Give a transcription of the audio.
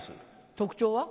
特徴は？